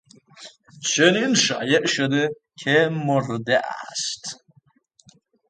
چنین شایع شده که مرده است.